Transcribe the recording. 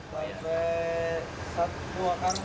bagi satu karung beras